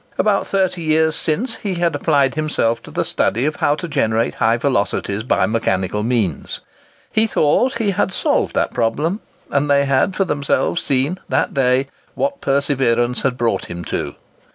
About thirty years since, he had applied himself to the study of how to generate high velocities by mechanical means. He thought he had solved that problem; and they had for themselves seen, that day, what perseverance had brought him too.